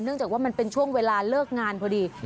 จากว่ามันเป็นช่วงเวลาเลิกงานพอดี